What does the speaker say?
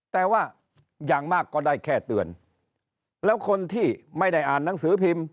แต่ว่าอย่างมากก็ได้แค่เตือนแล้วคนที่ไม่ได้อ่านหนังสือพิมพ์